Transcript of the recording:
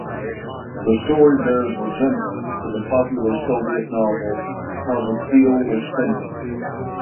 The story bears resemblance to the popular Soviet novel "How the Steel Was Tempered".